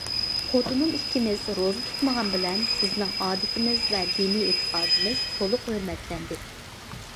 خوتۇنۇم ئىككىمىز روزا تۇتمىغان بىلەن، بىزنىڭ ئادىتىمىز ۋە دىنىي ئېتىقادىمىز تولۇق ھۆرمەتلەندى.